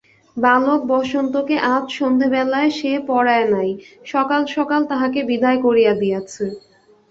বালক বসন্তকে আজ সন্ধ্যাবেলায় সে পড়ায় নাই–সকাল সকাল তাহাকে বিদায় করিয়া দিয়াছে।